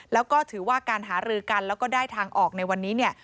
แล้วก็ถือว่าการหารือกันแล้วก็ได้ทางออกในวันนี้เนี่ย